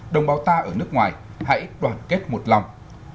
đồng bào ta ở nước ngoài hãy đoàn kết một lòng